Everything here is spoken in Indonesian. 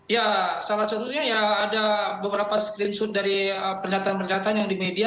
ya salah satunya ya ada beberapa screenshoon dari pernyataan pernyataan yang di media